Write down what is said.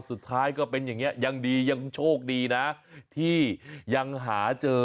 สุดท้ายก็เป็นอย่างนี้ยังดียังโชคดีนะที่ยังหาเจอ